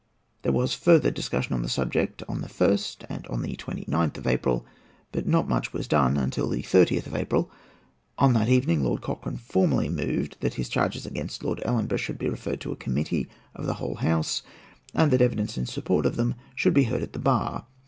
There was further discussion on the subject on the 1st and the 29th of April; but not much was done until the 30th of April. On that evening, Lord Cochrane formally moved that his charges against Lord Ellenborough should be referred to a Committee of the whole House, and that evidence in support of them should be heard at the bar.